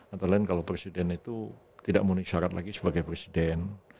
antara lain kalau presiden itu tidak memenuhi syarat lagi sebagai presiden